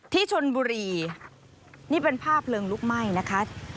ที่ชนบุรีนี่เป็นภาพเพลิงลุกไหม้นะคะ